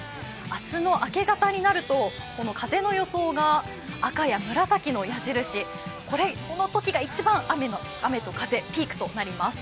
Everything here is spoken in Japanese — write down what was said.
明日の明け方になると風の予想が赤や紫の矢印、これのときが一番雨と風がピークになります。